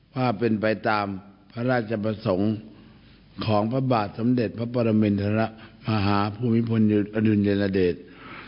ภาพเป็นไปตามพระราชประสงค์ของพระบาทสมเด็จพระปรมินทรมาหาภูมิพลอดุลยเดช